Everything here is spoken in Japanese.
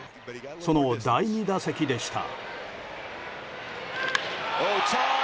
その第２打席でした。